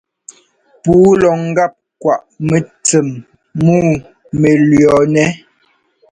Puu lɔ ŋ́gap kwaꞌ mɛntsɛm muu mɛ lʉ̈ɔnɛ́.